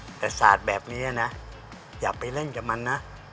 อะไรจ้ะหนูอัศษาธิ์แบบนี้นะอย่าไปเล่นกับมันนะ